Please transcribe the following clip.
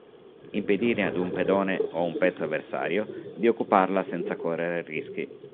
Impedire ad un pedone o a un pezzo avversario di occuparla senza correre rischi.